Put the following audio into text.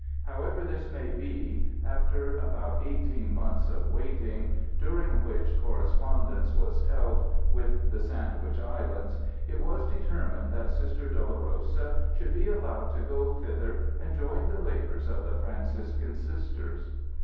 However this may be, after about eighteen months of waiting, during which correspondence was held with the Sandwich Islands, it was determined that Sister Dolorosa should be allowed to go thither and join the labors of the Franciscan Sisters.